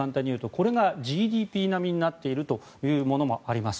これが、ＧＤＰ並みになっているものもあります。